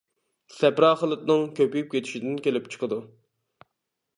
سەپرا خىلىتىنىڭ كۆپىيىپ كېتىشىدىن كېلىپ چىقىدۇ.